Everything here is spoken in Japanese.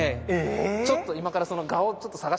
ちょっと今からそのえ？